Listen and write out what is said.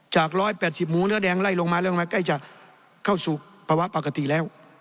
๑๘๐หมูเนื้อแดงไล่ลงมาเริ่มมาใกล้จะเข้าสู่ภาวะปกติแล้ว